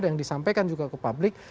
yang disampaikan juga ke publik